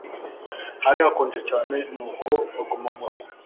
Hari hakonje cyane nuko baguma murugo